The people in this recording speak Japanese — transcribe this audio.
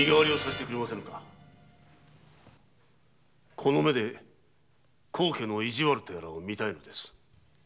この目で高家の意地悪を見たいのです。